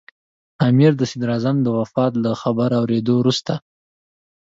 امیر د صدراعظم د وفات له خبر اورېدو وروسته.